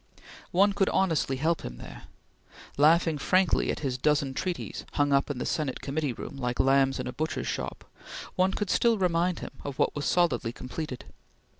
One could honestly help him there. Laughing frankly at his dozen treaties hung up in the Senate Committee room like lambs in a butcher's shop, one could still remind him of what was solidly completed.